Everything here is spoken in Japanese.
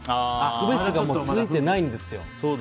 区別がついてないんですよ。